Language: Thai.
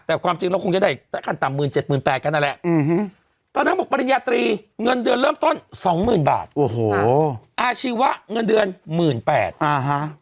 แต่ความจริงเราคงจะได้ขั้นต่ำ๑๗๐๐๐๑๘๐๐๐ก็นั่นแหละตอนนั้นบอกปริญญาตรีเงินเดือนเริ่มต้น๒๐๐๐๐บาทอาชีวะเงินเดือน๑๘๐๐๐บาท